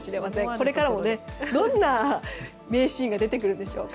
これからもどんな名シーンが出てくるでしょうか。